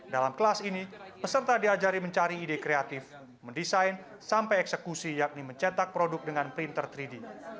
dalam kelas ini peserta diajari mencari ide kreatif mendesain sampai eksekusi yakni mencetak produk dengan printer tiga d